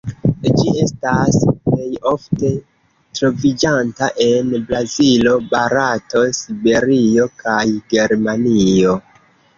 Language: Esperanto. Ĝi estas plej ofte troviĝanta en Brazilo, Barato, Siberio, kaj Germanio.